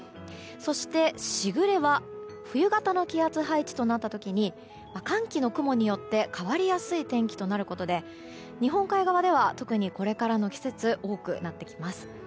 そして、時雨は冬型の気圧配置となった時に寒気の雲によって変わりやすい天気となることで日本海側では特にこれからの季節多くなってきます。